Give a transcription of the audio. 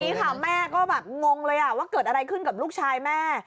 นี่ค่ะแม่ก็แบบงงเลยว่าเกิดอะไรขึ้นกับลูกชายแม่